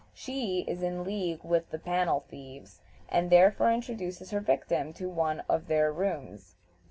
She is in league with the "panel thieves," and therefore introduces her victim to one of their rooms.